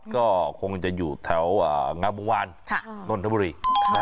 ก็คงจะอยู่แถวงามวงวานนทบุรี